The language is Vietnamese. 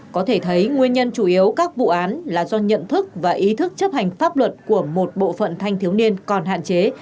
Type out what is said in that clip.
có thể thấy nguyên nhân chủ yếu các vụ án là do nhận thức và ý thức chấp hành pháp luật của một bộ phận thanh thiếu niên còn hạn chế